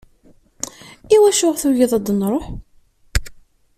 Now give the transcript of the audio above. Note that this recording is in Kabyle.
Iwacu i ɣ-tugiḍ ad nruḥ?